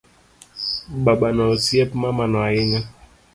Babano osiep mamano ahinya